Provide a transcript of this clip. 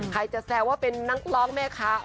ใครจะแซวว่าเป็นนักร้องแม่ค้า